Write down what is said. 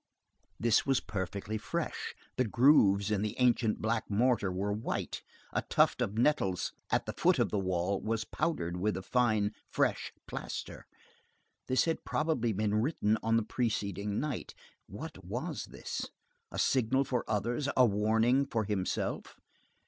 This was perfectly fresh, the grooves in the ancient black mortar were white, a tuft of nettles at the foot of the wall was powdered with the fine, fresh plaster. This had probably been written on the preceding night. What was this? A signal for others? A warning for himself?